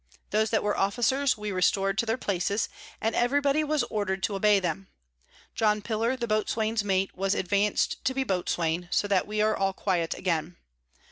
Those that were Officers we restor'd to their Places, and every body was order'd to obey them; John Pillar the Boatswain's Mate was advanc'd to be Boatswain, so that we are all quiet again.